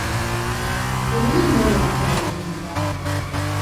Oluyimba olwo ani yaluyimba?